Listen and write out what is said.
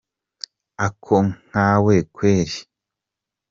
ako nkawe kweri?????